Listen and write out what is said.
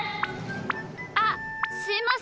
あっすいません。